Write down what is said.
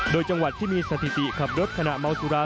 โดยจังหวัดที่มีสถิติขับรถขณะเมาสุรา